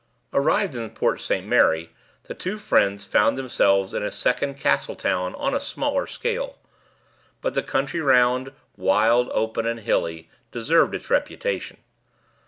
Arrived in Port St. Mary, the two friends found themselves in a second Castletown on a smaller scale. But the country round, wild, open, and hilly, deserved its reputation.